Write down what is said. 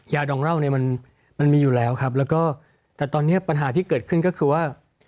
ดองเหล้าเนี่ยมันมีอยู่แล้วครับแล้วก็แต่ตอนนี้ปัญหาที่เกิดขึ้นก็คือว่า